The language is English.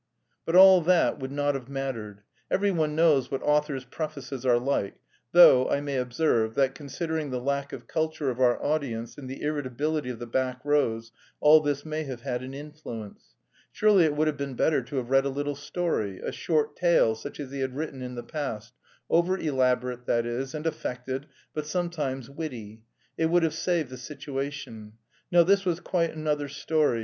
But all that would not have mattered; every one knows what authors' prefaces are like, though, I may observe, that considering the lack of culture of our audience and the irritability of the back rows, all this may have had an influence. Surely it would have been better to have read a little story, a short tale such as he had written in the past over elaborate, that is, and affected, but sometimes witty. It would have saved the situation. No, this was quite another story!